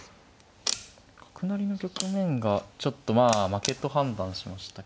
角成の局面がちょっとまあ負けと判断しましたけど。